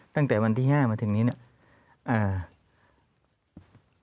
ตั้งแต่วันที่๕มาถึงนี้เนี่ย